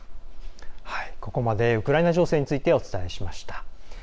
ここまでウクライナ情勢についてお伝えしました。